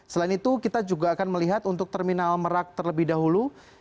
selain itu kita juga akan melihat untuk terminal merak terlebih dahulu